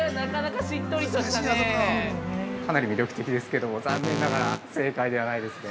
◆かなり魅力的ですけども残念ながら、正解ではないですね。